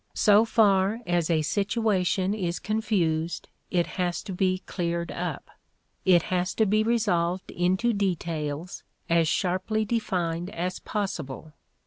So far as a situation is confused, it has to be cleared up; it has to be resolved into details, as sharply defined as possible.